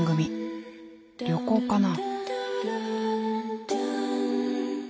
旅行かな？